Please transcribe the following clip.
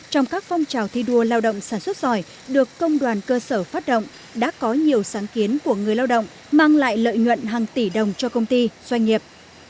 trong các phong trào thi đua lao động sản xuất giỏi được công đoàn cơ sở phát động đã có nhiều sáng kiến của người lao động mang lại lợi nhuận hàng tỷ đồng cho công ty doanh nghiệp